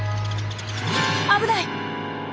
危ない！